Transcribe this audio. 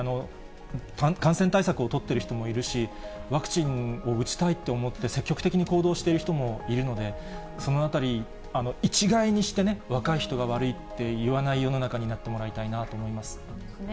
感染対策を取ってる人もいるし、ワクチンを打ちたいと思って、積極的に行動している人もいるので、そのあたり、一概にしてね、若い人が悪いっていわない世の中になってもらいたいなと思います。